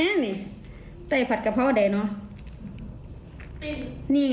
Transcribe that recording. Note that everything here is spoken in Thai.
อันนี้คือข้าวที่ยาดคนไข้เอามาส่ง